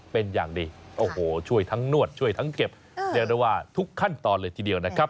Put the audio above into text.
เป็นอย่างดีโอ้โหช่วยทั้งนวดช่วยทั้งเก็บเรียกได้ว่าทุกขั้นตอนเลยทีเดียวนะครับ